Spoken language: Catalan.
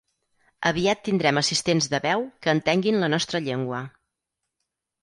Aviat tindrem assistents de veu que entenguin la nostra llengua.